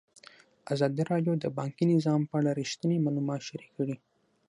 ازادي راډیو د بانکي نظام په اړه رښتیني معلومات شریک کړي.